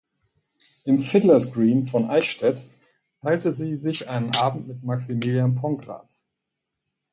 Im "Fiddler’s Green" von Eichstätt teilte sie sich einen Abend mit Maximilian Pongratz.